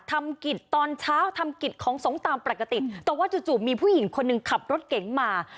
ทำกิจตอนเช้าทำกิจของสงฆ์ตามปกติแต่ว่าจู่จู่มีผู้หญิงคนหนึ่งขับรถเก๋งมา